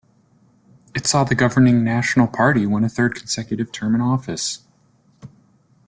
It saw the governing National Party win a third consecutive term in office.